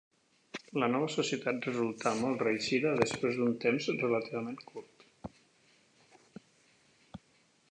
La nova societat resultà molt reeixida després d'un temps relativament curt.